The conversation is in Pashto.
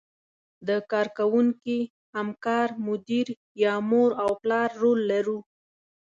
د کار کوونکي، همکار، مدیر یا مور او پلار رول لرو.